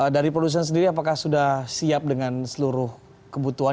dari produsen sendiri apakah sudah siap dengan seluruh kebutuhan